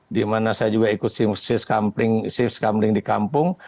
di mana saya juga ikut siskamling di kampung